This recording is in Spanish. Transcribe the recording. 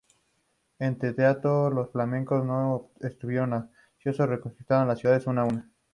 Entre tanto, los flamencos no estuvieron ociosos y reconquistaron las ciudades una a una.